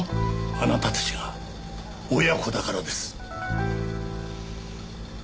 あなたたちが親子だからです。